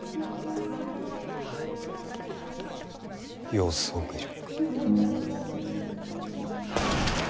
様子を見る。